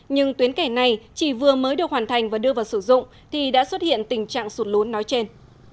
nhưng tuyến kè này chỉ vừa mới được hoàn thành và đưa vào sử dụng thì đã xuất hiện tình trạng sụt lún nói trên